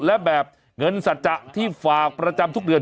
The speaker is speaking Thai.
และแบบเงินสัจจะที่ฝากประจำทุกเดือน